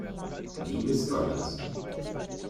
Wie misst man das?